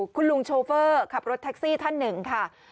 คุณลุงโชเฟอร์ขับรถแท็กซี่ท่านหนึ่งค่ะ